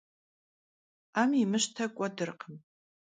'em yimışte k'uedırkhım.